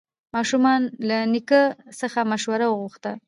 ماشوم له نیکه څخه مشوره وغوښته